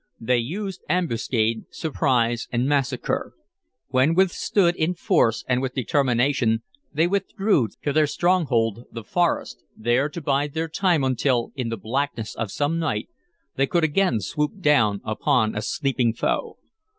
They used ambuscade, surprise, and massacre; when withstood in force and with determination they withdrew to their stronghold the forest, there to bide their time until, in the blackness of some night, they could again swoop down upon a sleeping foe.